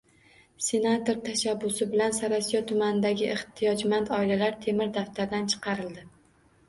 Senator tashabbusi bilan Sariosiyo tumanidagi ehtiyojmand oilalar “Temir daftar”dan chiqarildi